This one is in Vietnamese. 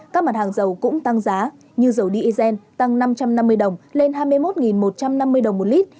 các mặt hàng dầu cũng tăng giá như dầu diesel tăng năm trăm năm mươi đồng lên hai mươi một một trăm năm mươi đồng một lít